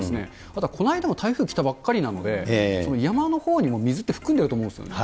またこの間も台風来たばっかりなので、山のほうにも水って含んでると思うんですよね。